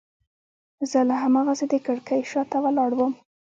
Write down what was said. زه لا هماغسې د کړکۍ شاته ولاړ وم.